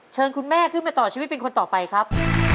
เชิญคุณแม่ขึ้นมาต่อชีวิตเป็นคนต่อไปครับ